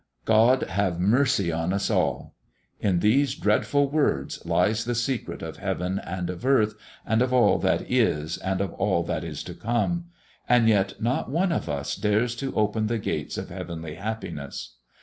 God have mercy on us all! In these dreadful words lies the secret of heaven and of earth and of all that is and of all that is to come, and yet not one of us dares to open the gates of heavenly happiness.